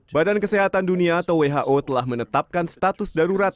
badan kesehatan dunia atau who telah menetapkan status darurat